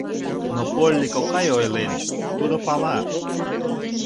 — Но Полли кокай ойлен: тудо пала!